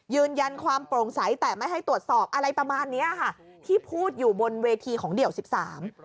ยืนยันความโปร่งใสแต่ไม่ให้ตรวจสอบอะไรประมาณเนี้ยค่ะที่พูดอยู่บนเวทีของเดี่ยวสิบสาม